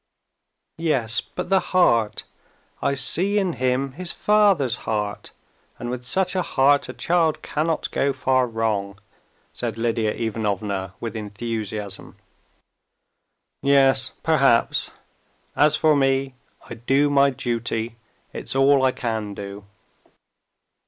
"Yes, but the heart. I see in him his father's heart, and with such a heart a child cannot go far wrong," said Lidia Ivanovna with enthusiasm. "Yes, perhaps.... As for me, I do my duty. It's all I can do."